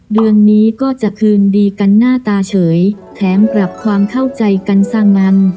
เดือนนี้ก็จะคืนดีกันหน้าตาเฉยแถมกลับความเข้าใจกันสร้างมัน